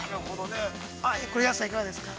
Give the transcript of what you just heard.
これ、安さん、いかがですか。